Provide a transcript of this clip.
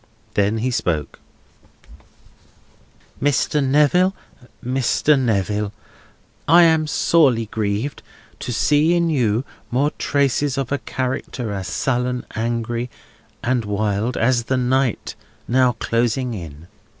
Then he spoke: "Mr. Neville, Mr. Neville, I am sorely grieved to see in you more traces of a character as sullen, angry, and wild, as the night now closing in.